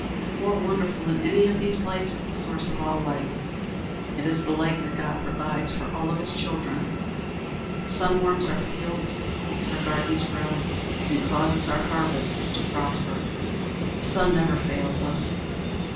More wonderful than any of these lights is the source of all light. It is the light that God provides for all of his children. The sun warms our fields, makes our gardens grow, and causes our harvests to prosper. The sun never fails us.